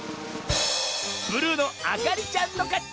ブルーのあかりちゃんのかち！